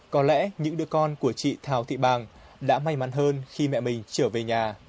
còn bốn người con của chị thào thị bàng đã trở về nhà